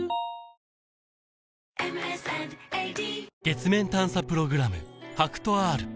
月面探査プログラム